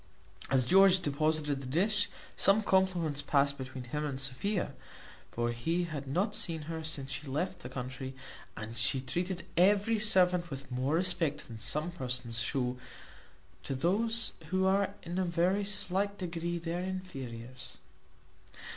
As George deposited the dish, some compliments passed between him and Sophia (for he had not seen her since she left the country, and she treated every servant with more respect than some persons shew to those who are in a very slight degree their inferiors).